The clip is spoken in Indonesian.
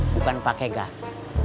bukan pakai gas